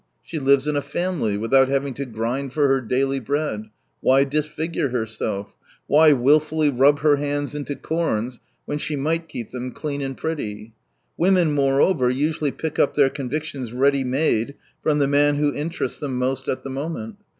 She lives in a family, without having to grind for her daily bread — why disfigure herself ? Why wilfully rub her hands into corns, when she might keep them clean and pretty ! Women, moreover, usually pick up their convictions ready made from the man who interests them most at the moment.